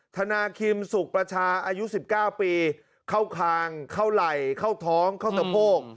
ธนาคิมสุขประชาอายุ๑๙ปีเข้าคางเข้าไหล่เข้าท้องเข้าสะโพก